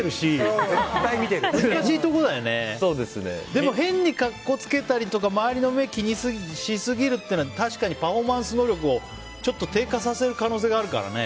でも変に格好つけたりとか周りの目を気にしすぎたりすると確かにパフォーマンス能力を低下させる可能性があるからね。